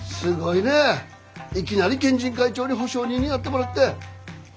いきなり県人会長に保証人になってもらって。